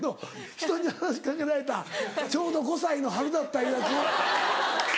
人に話しかけられたちょうど５歳の春だったいうやつ。